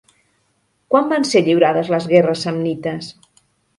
Quan van ser lliurades les guerres samnites?